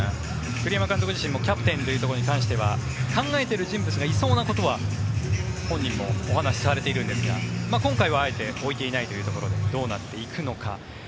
栗山監督自身もキャプテンというところでは考えている人物がいそうなことは本人もお話しされているんですが今回は、あえて置いていないというところでどうなっていくのか。